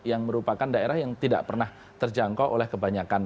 yang merupakan daerah yang tidak pernah terjangkau oleh kebanyakan